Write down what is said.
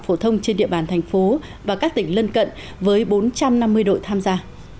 phổ thông trên địa bàn thành phố và các tỉnh lân cận với bốn trăm năm mươi đội tham gia